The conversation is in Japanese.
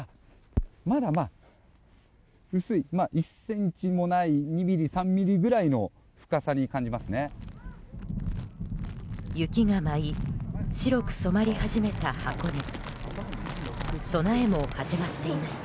まだ１ｃｍもない２ｍｍ、３ｍｍぐらいの深さに感じますね。